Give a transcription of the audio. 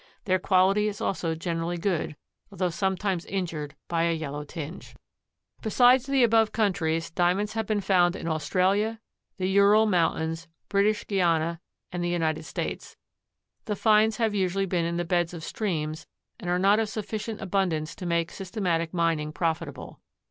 Their quality is also generally good, although sometimes injured by a yellow tinge. Besides the above countries, Diamonds have been found in Australia, the Ural Mountains, British Guiana and the United States. The finds have usually been in the beds of streams and are not of sufficient abundance to make systematic mining profitable.